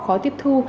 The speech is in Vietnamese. khó tiếp thu